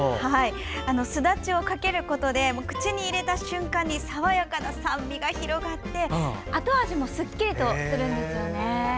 すだちをかけることで口に入れた瞬間に爽やかな酸味が広がって後味もすっきりとするんですよね。